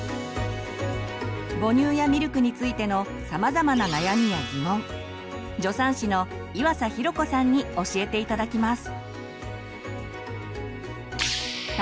母乳やミルクについてのさまざまな悩みやギモン助産師の岩佐寛子さんに教えて頂きます。